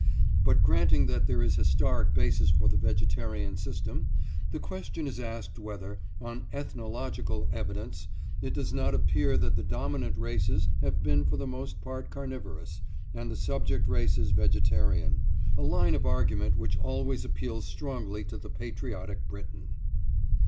But granting that there is historic basis for the vegetarian system, the question is asked whether, on ethnological evidence, it does not appear that the dominant races have been for the most part carnivorous, and the subject races vegetarian—a line of argument which always appeals strongly to the patriotic Briton.